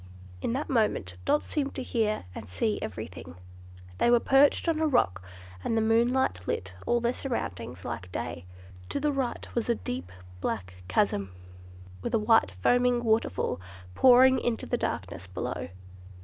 In that moment Dot seemed to hear and see everything. They were perched on a rock, and the moonlight lit all their surroundings like day. To the right was a deep black chasm, with a white foaming waterfall pouring into the darkness below.